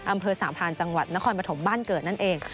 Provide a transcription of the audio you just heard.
อำเภอสามพานจังหวัดนครปฐมบ้านเกิดนั่นเอง